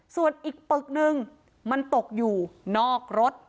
ส่วนอีกปึกนึงมันตกอยู่นอกรถ